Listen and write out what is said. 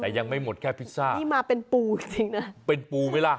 แต่ยังไม่หมดแค่พิซซ่านี่มาเป็นปูจริงจริงนะเป็นปูไหมล่ะ